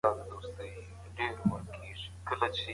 لیکوال هڅه کوي ماشومان ورسره اشنا کړي.